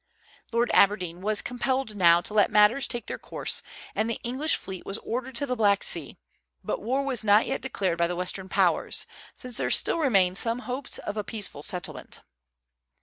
Lord Aberdeen was compelled now to let matters take their course, and the English fleet was ordered to the Black Sea; but war was not yet declared by the Western Powers, since there still remained some hopes of a peaceful settlement.